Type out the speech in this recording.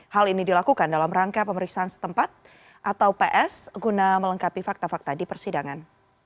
hal ini dilakukan dalam rangka pemeriksaan setempat atau ps guna melengkapi fakta fakta di persidangan